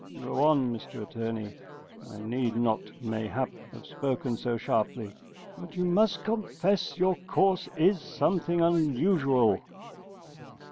Go on, Mr Attorney. I need not, mayhap, have spoken so sharply, but you must confess your course is something unusual.